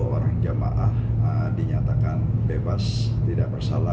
dua orang jamaah dinyatakan bebas tidak bersalah